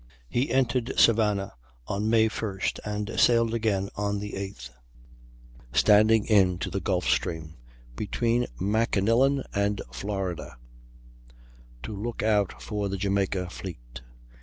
He entered Savannah on May 1st and sailed again on the 8th, standing in to the Gulf Stream, between Makanilla and Florida, to look out for the Jamaica fleet.